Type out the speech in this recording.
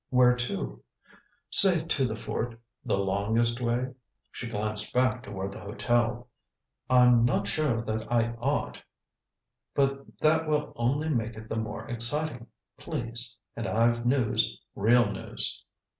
"Where to?" "Say to the fort the longest way." She glanced back toward the hotel. "I'm not sure that I ought " "But that will only make it the more exciting. Please. And I've news real news."